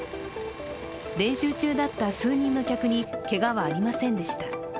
練習中だった数人の客にけがはありませんでした。